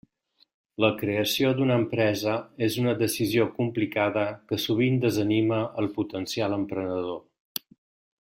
La creació d'una empresa és una decisió complicada que sovint desanima el potencial emprenedor.